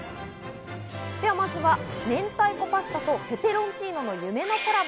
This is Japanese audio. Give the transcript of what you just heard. まずは明太子パスタとペペロンチーノの夢のコラボ。